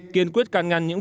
kiên quyết can ngăn những